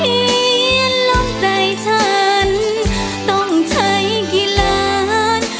เขียนลงใจฉันต้องใช้กี่ล้าน